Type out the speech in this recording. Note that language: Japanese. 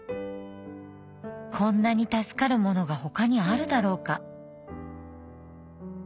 こんなに助かるものが他にあるだろうか。